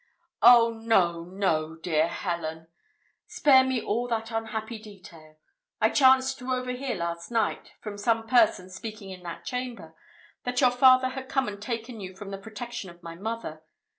"Oh no, no, dear Helen! spare me all that unhappy detail. I chanced to overhear last night, from some persons speaking in that chamber, that your father had come and taken you from the protection of my mother.